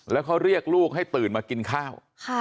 แล้วเขาเรียกลูกให้ตื่นมากินข้าว